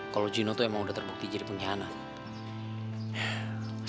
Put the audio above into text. kalau gino tuh emang udah terbukti jadi pengkhianat